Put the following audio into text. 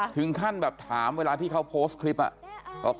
ถึงขั้นแบบถามเวลาที่เขาโพสต์คลิปอ่ะ